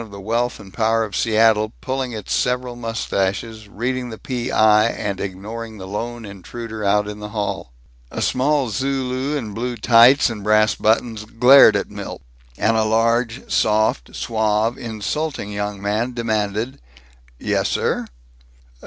of the wealth and power of Seattle pulling its several mustaches, reading the P.I., and ignoring the lone intruder out in the hall. A small Zulu in blue tights and brass buttons glared at Milt; and a large, soft, suave, insulting young man demanded, "Yes, sir?"